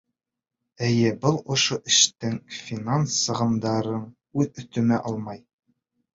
Эйе, был оло эштең финанс сығымдарын үҙ өҫтөмә алам.